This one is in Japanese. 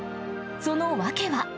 その訳は。